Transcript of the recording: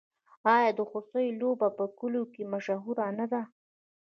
آیا د خوسي لوبه په کلیو کې مشهوره نه ده؟